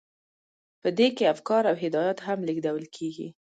په دې کې افکار او هدایات هم لیږدول کیږي.